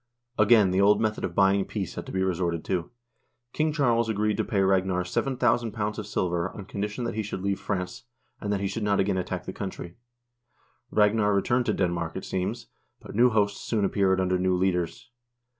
Again the old method of buying peace had to be resorted to. King Charles agreed to pay Ragnar 7000 pounds of silver on condition that he should leave France, and that he should not again attack the country. Ragnar returned to Denmark, it seems, but new hosts soon appeared under new leaders.